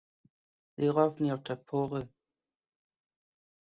They live near Tarporley.